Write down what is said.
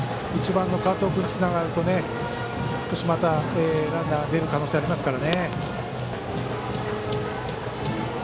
１番の加藤君につながるとランナー出る可能性ありますから。